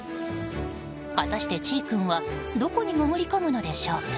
果たしてちぃ君はどこに潜り込むのでしょうか。